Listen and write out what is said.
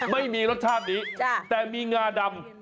ไม่มีรสชาตินี้แต่มีงาดำ